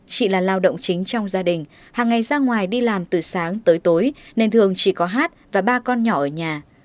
chị là lao động chính trong gia đình hàng ngày ra ngoài đi làm từ sáng tới tối nên thường chỉ có hát và ba con nhỏ ở nhà